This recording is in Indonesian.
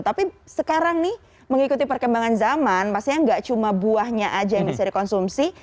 tapi sekarang nih mengikuti perkembangan zaman pastinya nggak cuma buahnya aja yang bisa dikonsumsi